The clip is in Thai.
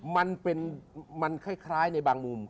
มันเป็นมันคล้ายในบางมุม